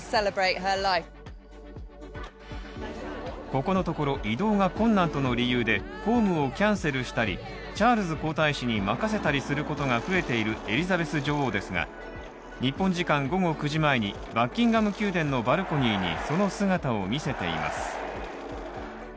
ここのところ、移動が困難との理由で公務をキャンセルしたり、チャールズ皇太子に任せたりすることが増えているエリザベス女王ですが、日本時間午後９時前に、バッキンガム宮殿のバルコニーにその姿を見せています。